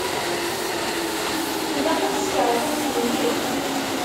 Ilaq ad testeɛfumt mliḥ.